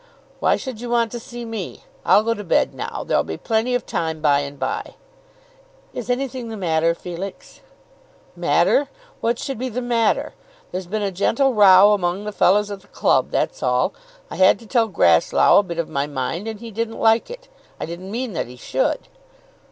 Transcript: why should you want to see me? I'll go to bed now. There'll be plenty of time by and bye." "Is anything the matter, Felix?" "Matter; what should be the matter? There's been a gentle row among the fellows at the club; that's all. I had to tell Grasslough a bit of my mind, and he didn't like it. I didn't mean that he should."